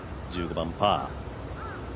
１５番パー。